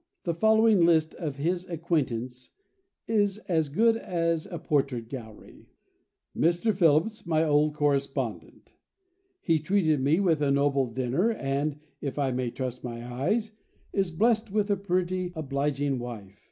The following list of his acquaintance is as good as a portrait gallery. "Mr. Phillips, my old correspondent.—He treated me with a noble dinner, and (if I may trust my eyes) is blest with a pretty, obliging wife.